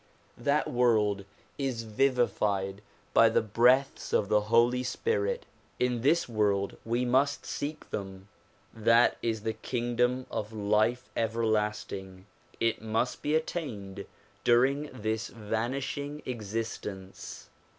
That world is vivified by the breaths of the Holy Spirit ; in this world we must seek them. That is the kingdom of life everlasting ; it must be attained during this vanish ing existence.